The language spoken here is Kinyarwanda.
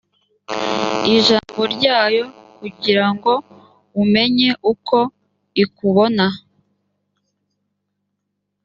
ijambo ryayo kugira ngo umenye uko ikubona